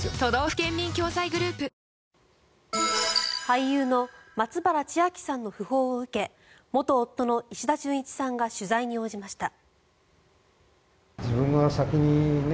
俳優の松原千明さんの訃報を受け元夫の石田純一さんが取材に応じました。